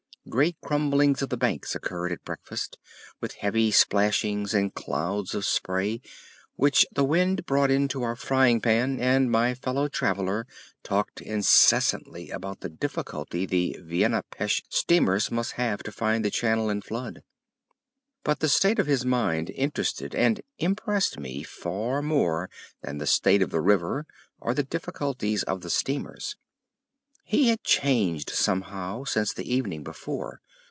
Great crumblings of the banks occurred at breakfast, with heavy splashings and clouds of spray which the wind brought into our frying pan, and my fellow traveler talked incessantly about the difficulty the Vienna Pesth steamers must have to find the channel in flood. But the state of his mind interested and impressed me far more than the state of the river or the difficulties of the steamers. He had changed somehow since the evening before.